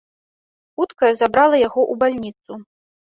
Хуткая забрала яго ў бальніцу.